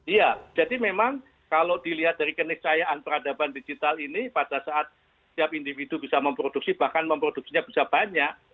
iya jadi memang kalau dilihat dari keniscayaan peradaban digital ini pada saat setiap individu bisa memproduksi bahkan memproduksinya bisa banyak